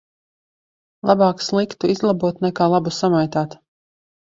Labāk sliktu izlabot nekā labu samaitāt.